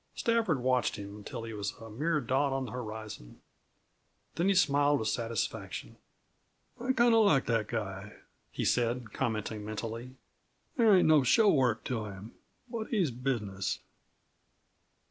Stafford watched him until he was a mere dot on the horizon. Then he smiled with satisfaction. "I kind of like that guy," he said, commenting mentally. "There ain't no show work to him, but he's business."